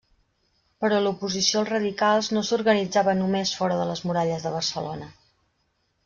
Però l'oposició als radicals no s'organitzava només fora de les muralles de Barcelona.